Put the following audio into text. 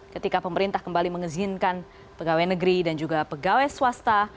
ketika pemerintah kembali mengizinkan pegawai negeri dan juga pegawai swasta